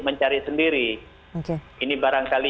mencari sendiri ini barangkali